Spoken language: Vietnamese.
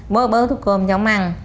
bớ bớ thuốc cơm cho ông ăn